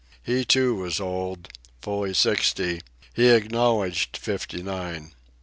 He, too, was old, fully sixty—he acknowledged fifty nine.